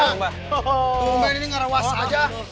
tumben ini ngerawas aja